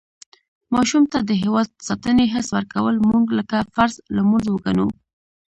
ماشوم ته د هېواد ساتنې حس ورکول مونږ لکه فرض لمونځ وګڼو.